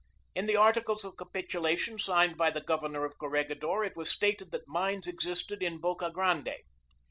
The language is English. In the articles of capitulation signed by the Governor of Corregidor it was stated that mines existed in Boca Grande.